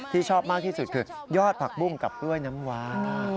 ชอบมากที่สุดคือยอดผักบุ้งกับกล้วยน้ำวา